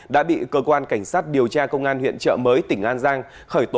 đã bị cơ quan cảnh sát điều tra công an huyện trợ mới tỉnh an giang khởi tố